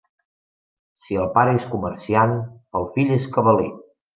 Si el pare és comerciant, el fill és cabaler.